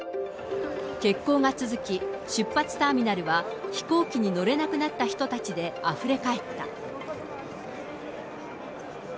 欠航が続き、出発ターミナルは、飛行機に乗れなくなった人たちであふれ返った。